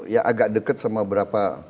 ya agak dekat sama berapa